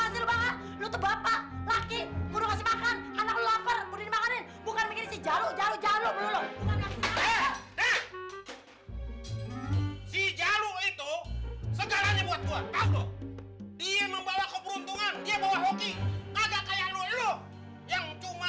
sampai jumpa di video selanjutnya